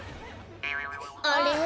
「あれ？